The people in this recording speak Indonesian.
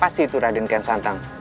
pasti itu raden kain santang